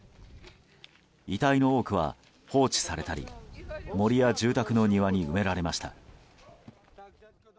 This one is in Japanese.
遺体の多くは放置されたり森や住宅の庭に埋められました。